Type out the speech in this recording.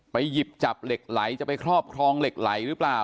หยิบจับเหล็กไหลจะไปครอบครองเหล็กไหลหรือเปล่า